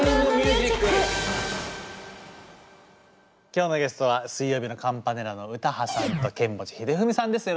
今今日のゲストは水曜日のカンパネラの詩羽さんとケンモチヒデフミさんです。